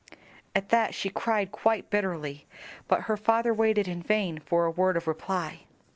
At that she cried quite bitterly, but her father waited in vain for a word of reply.